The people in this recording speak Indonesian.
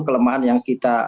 kelemahan yang kita